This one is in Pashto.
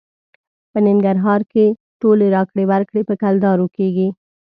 په ننګرهار کې ټولې راکړې ورکړې په کلدارې کېږي.